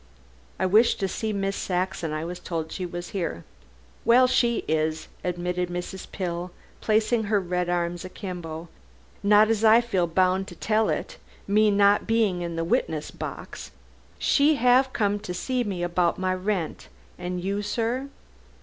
"I wish to see Miss Saxon. I was told she was here." "Well, she is," admitted Mrs. Pill, placing her red arms akimbo, "not as I feel bound to tell it, me not being in the witness box. She 'ave come to see me about my rent. An' you, sir?"